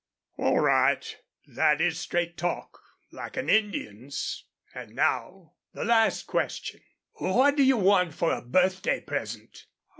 "All right. That is straight talk, like an Indian's. An' now the last question what do you want for a birthday present?"